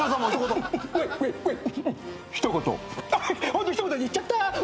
ホントに一言で言っちゃった！